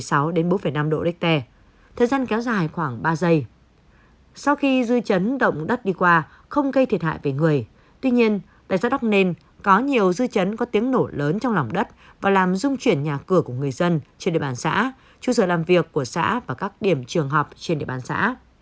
sau dư chấn động đất đi qua không gây thiệt hại về người tuy nhiên tại xã đắc nên có nhiều dư chấn có tiếng nổ lớn trong lòng đất và làm dung chuyển nhà cửa của người dân trên địa bàn xã trụ sở làm việc của xã và các điểm trường học trên địa bàn xã